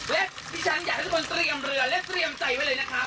และที่ฉันอยากให้ทุกคนเตรียมเรือและเตรียมใจไว้เลยนะคะ